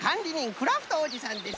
クラフトおじさんです。